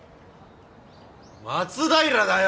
松平だよ！